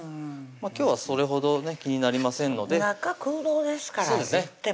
今日はそれほどね気になりませんので中空洞ですからいってもそうですね